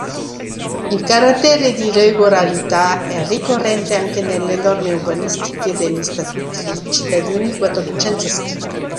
Il "carattere di regolarità" è ricorrente anche nelle norme urbanistiche degli statuti cittadini quattrocenteschi.